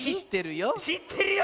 しってるよ。